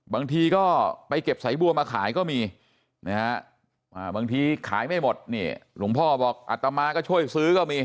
บางทีก็ไปเก็บสายบัวมาขายก็มีนะฮะบางทีขายไม่หมดนี่หลวงพ่อบอกอัตมาก็ช่วยซื้อก็มี